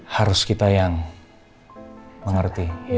harus kita yang mengerti